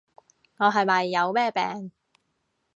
我係咪有咩病？